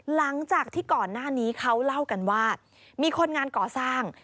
หลังจากที่ก่อนหน้านี้เขาเล่ากันว่ามีคนงานก่อสร้าง